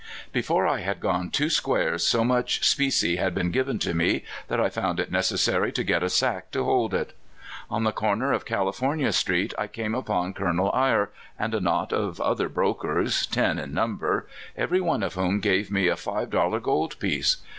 Before I had gone two squares so much specie had been given me that I found it necessary to get a sack to liold it. On the corner of California street I came California T^^dts. 177 upou Colouel Eyre and a knot of other brokers, ten in number, every one of whom gave me a five dol lar gold piece.